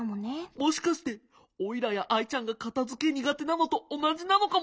もしかしてオイラやアイちゃんがかたづけ苦手なのとおなじなのかも！